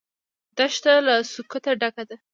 دښته له سکوته ډکه ده.